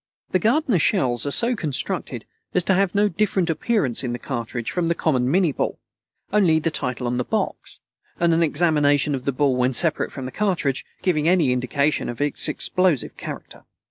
The Gardiner shells are so constructed as to have no different appearance in the cartridge from the common minnie ball only the title on the box, and an examination of the ball when separate from the cartridge, giving any indication of its explosive character.